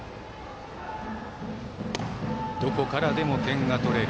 どこからでも点が取れる。